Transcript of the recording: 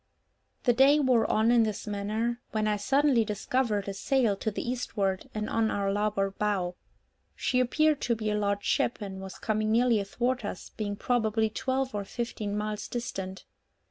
The day wore on in this manner, when I suddenly discovered a sail to the eastward, and on our larboard bow. She appeared to be a large ship, and was coming nearly athwart us, being probably twelve or fifteen miles distant.